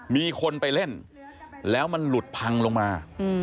มีคนไปเล่นแล้วมันหลุดพังลงมา